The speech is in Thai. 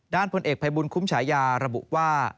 ผลเอกภัยบุญคุ้มฉายาระบุว่า